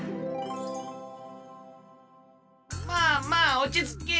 まあまあおちつけ。